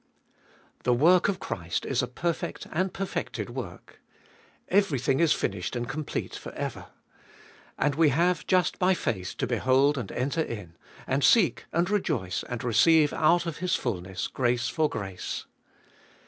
1. The work of Christ Is a perfect and perfected work. Everything is finished and complete for ever. And we have just by faith to behold and enter In, and seek and rejoice, and receive out of His fulness grace for grace.